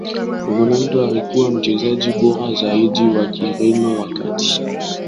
Ronaldo alikuwa Mchezaji bora zaidi wa Kireno wakati